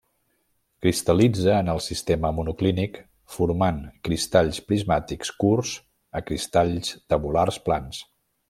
Cristal·litza en el sistema monoclínic formant cristalls prismàtics curts a cristalls tabulars plans.